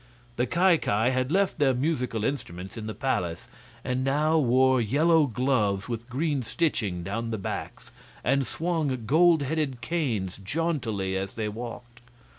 The Ki Ki had left their musical instruments in the palace, and now wore yellow gloves with green stitching down the backs and swung gold headed canes jauntily as they walked.